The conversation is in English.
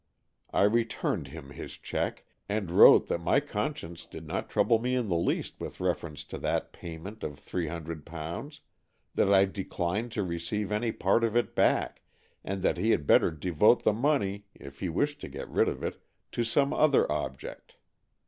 I returned him his cheque, and wrote that my conscience did not trouble me in the least with reference to that pay ment of three hundred pounds, that I declined to receive any part of it back, and that he had better devote the money, if he wished to get rid of it, to some other object.